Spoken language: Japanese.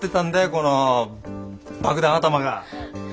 この爆弾頭が。